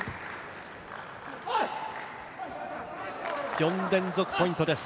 ４連続ポイントです。